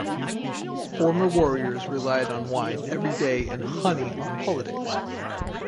Former warriors relied on wine every day and honey on holidays.